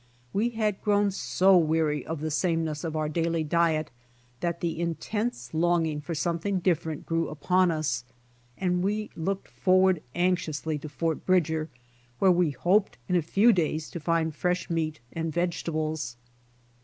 We had grown so weary of the sameness of our THE PONY EXPRESS 93 daily diet that the intense longing for something dif ferent grew upon us, and we looked forward anxiously to Fort Bridger where we hoped in a few days to find fresh meat and vegetables.